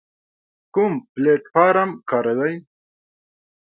کوم پلتفارم کاروئ؟